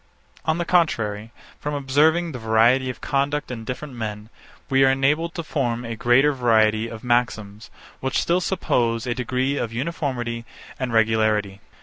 On the contrary, from observing the variety of conduct in different men, we are enabled to form a greater variety of maxims, which still suppose a degree of uniformity and regularity.